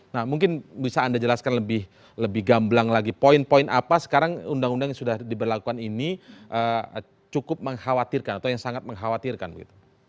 nah mungkin bisa anda jelaskan lebih gamblang lagi poin poin apa sekarang undang undang yang sudah diberlakukan ini cukup mengkhawatirkan atau yang sangat mengkhawatirkan begitu